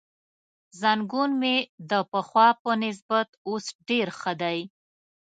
زنګون مې د پخوا په نسبت اوس ډېر ښه دی.